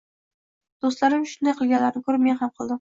“Do‘stlarim shunday qilganlarini ko‘rib, men ham... qildim”.